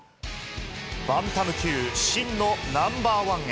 バンタム級、真のナンバー１へ。